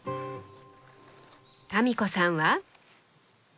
民子さんは？